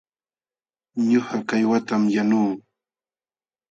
Ñuqa kaywatam yanuu.